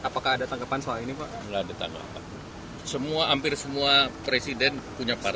pres apakah ada tangkapan soal ini pak